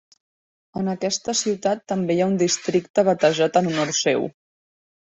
En aquesta ciutat també hi ha un districte batejat en honor seu.